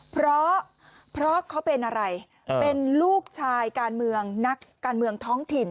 เพราะเพราะเขาเป็นอะไรเป็นลูกชายการเมืองนักการเมืองท้องถิ่น